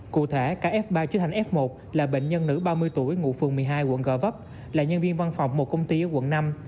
cụ thể cả f ba chức hành f một là bệnh nhân nữ ba mươi tuổi ngụ phường một mươi hai quận gò vấp là nhân viên văn phòng một công ty ở quận năm